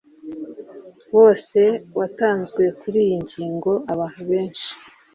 wose watanzwe kuri iyi ngingo, abantu benshi